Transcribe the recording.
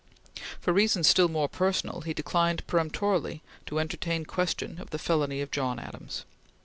For reasons still more personal, he declined peremptorily to entertain question of the felony of John Adams.